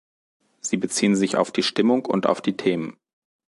Sie beziehen sich auf die Stimmung und auf die Themen.